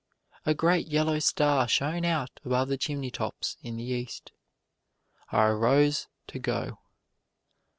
A great, yellow star shone out above the chimney tops in the East. I arose to go.